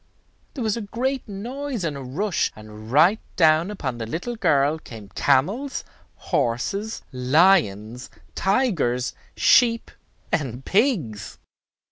There was a great noise and a rush, and right down upon the little girl came camels, horses, lions, tigers, sheep, and pigs.